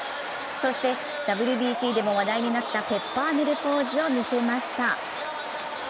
そして、ＷＢＣでも話題になったペッパーミルポーズを見せました。